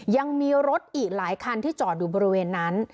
ยังมีรถอีกหลายคันที่จอดอยู่บริเวณนั้น